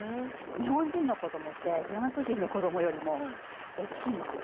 日本人の子どもってフランス人の子どもよりもおっきいんですよ。